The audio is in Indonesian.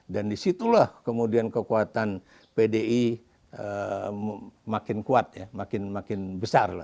dan disitulah kemudian kekuatan pdi makin kuat makin besar